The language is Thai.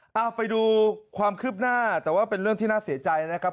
เอาไปดูความคืบหน้าแต่ว่าเป็นเรื่องที่น่าเสียใจนะครับ